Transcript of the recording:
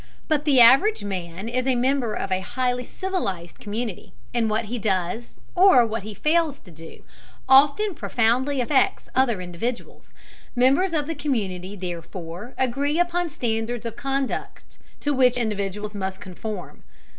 But the average man is a member of a highly civilized community, and what he does, or what he fails to do, often profoundly affects other individuals. Members of the community therefore agree upon standards of conduct, to which individuals must conform.